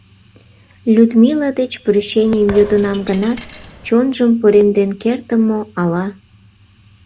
Людмила деч прощенийым йодынам гынат, чонжым поремден кертым мо, ала?